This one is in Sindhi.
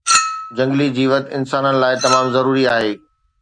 جهنگلي جيوت انسانن لاءِ تمام ضروري آهي